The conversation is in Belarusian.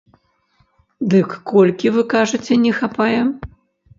Дык колькі, вы кажаце, не хапае?